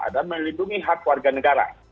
dan melindungi hak warga negara